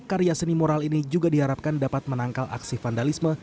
karya seni moral ini juga diharapkan dapat menangkal aksi vandalisme